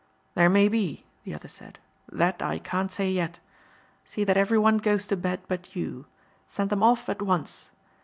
"There may be," the other said, "that I can't say yet. See that every one goes to bed but you. Send them off at once.